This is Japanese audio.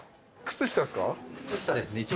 靴下ですね。